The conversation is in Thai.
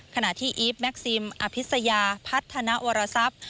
ขณะที่อีฟแม็กซิมอภิษยาพัฒนาวรทรัพย์